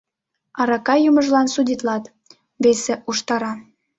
Арака йӱмыжлан судитлат, — весе уштара.